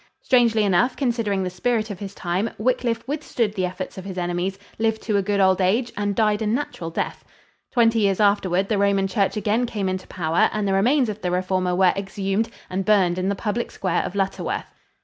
Strangely enough, considering the spirit of his time, Wyclif withstood the efforts of his enemies, lived to a good old age, and died a natural death. Twenty years afterward the Roman Church again came into power and the remains of the reformer were exhumed and burned in the public square of Lutterworth.